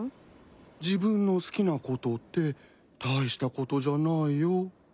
自分の好きなことって大したことじゃないよ。